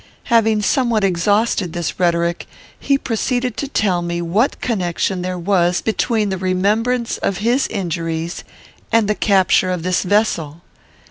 Having somewhat exhausted this rhetoric, he proceeded to tell me what connection there was between the remembrance of his injuries and the capture of this vessel.